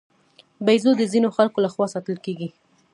بیزو د ځینو خلکو له خوا ساتل کېږي.